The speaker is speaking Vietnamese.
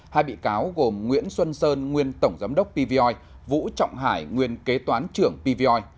hai bị cáo gồm nguyễn xuân sơn nguyên tổng giám đốc pvoi vũ trọng hải nguyên kế toán trưởng pvoi